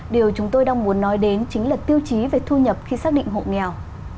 điều chúng tôi đang muốn nói đến chính là tiêu chí về thu nhập khi xác định hộ nghèo